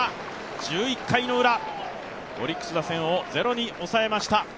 １１回ウラ、オリックス打線をゼロに抑えました。